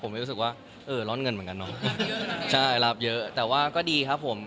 ผมเลยรู้สึกว่าเออร่อนเงินเหมือนกันเนอะใช่รับเยอะแต่ว่าก็ดีครับผม